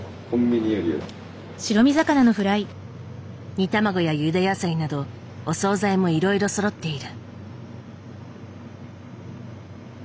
煮卵やゆで野菜などお総菜もいろいろそろっている。